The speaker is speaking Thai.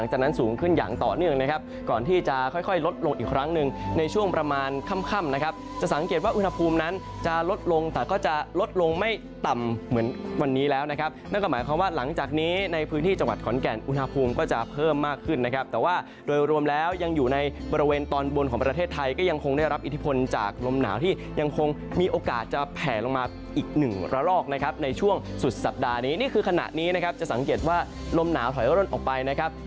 หน้าก็หมายความว่าหลังจากนี้ในพื้นที่จังหวัดขอนแก่นอุณฑภูมิก็จะเพิ่มมากขึ้นนะครับแต่ว่าโดยรวมแล้วยังอยู่ในบริเวณตอนบนของประเทศไทยก็ยังคงได้รับอิทธิพลจากลมหนาวที่ยังคงมีโอกาสจะแผ่ลงมาอีก๑ละรอกนะครับในช่วงสุดสัปดาห์นี้นี่คือคณะนี้นะครับจะสังเกตว่าลมหนาวถอยอ่